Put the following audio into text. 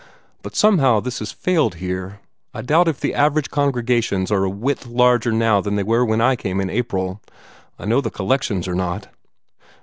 But somehow that has failed here. I doubt if the average congregations are a whit larger now than they were when I came in April. I know the collections are not."